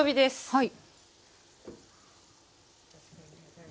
はい。